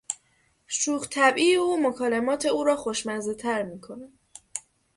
شوخ طبعی او مکالمات او را خوشمزهتر میکند.